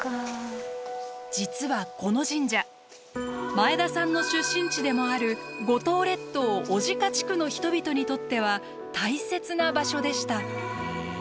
実はこの神社前田さんの出身地でもある五島列島小値賀地区の人々にとっては大切な場所でした。